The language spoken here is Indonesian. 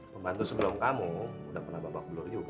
pembantu sebelum kamu udah pernah bambak bulur juga